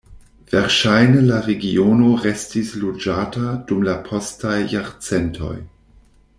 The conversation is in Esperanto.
Verŝajne la regiono restis loĝata dum la postaj jarcentoj.